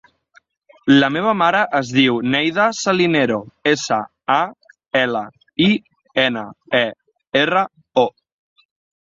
La meva mare es diu Neida Salinero: essa, a, ela, i, ena, e, erra, o.